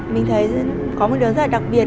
mình thấy có một điều rất là đặc biệt